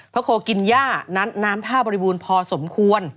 โคกินย่านั้นน้ำท่าบริบูรณ์พอสมควร